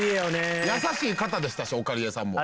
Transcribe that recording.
優しい方でしたしおかりえさんも。